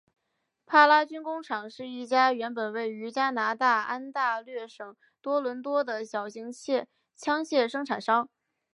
帕拉军工厂是一家原本位于加拿大安大略省多伦多的小型枪械生产商。